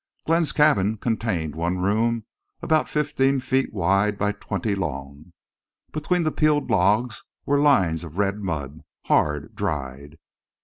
Glenn's cabin contained one room about fifteen feet wide by twenty long. Between the peeled logs were lines of red mud, hard dried.